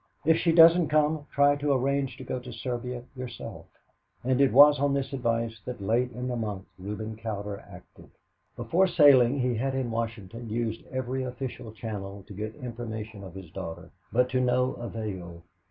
If she doesn't come, try to arrange to go to Serbia yourself." And it was on this advice that late in the month Reuben Cowder acted. Before sailing, he had in Washington used every official channel to get information of his daughter, but to no avail.